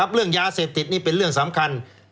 เรื่องยาเสพติดนี่เป็นเรื่องสำคัญ